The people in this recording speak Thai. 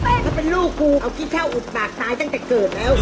มันเป็นลูกกูเอาพริกเช่าอุดปากท้ายตั้งแต่เกิดแล้ว